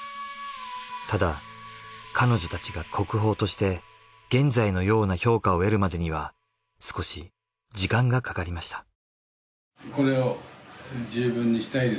ただ彼女たちが国宝として現在のような評価を得るまでには少し時間がかかりました。